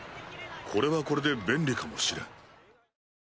これはこれで便利かもしれん。